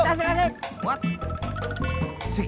tasik tasik tasik